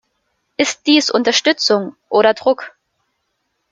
Ist dies Unterstützung oder Druck?